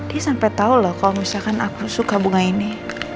dia sampai tahu loh kalau misalkan aku suka bunga ini